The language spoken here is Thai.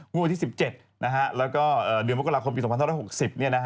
วันที่๑๗แล้วก็เดือนเมืองมกราคมปี๒๐๑๖นี่นะครับ